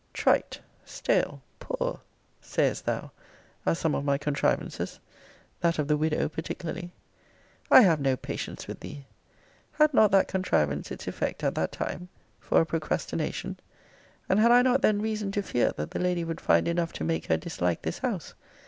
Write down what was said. Trite, stale, poor, (sayest thou,) are some of my contrivances; that of the widow particularly! I have no patience with thee. Had not that contrivance its effect at that time, for a procrastination? and had I not then reason to fear, that the lady would find enough to make her dislike this house?